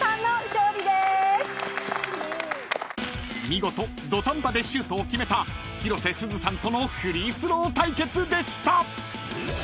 ［見事土壇場でシュートを決めた広瀬すずさんとのフリースロー対決でした］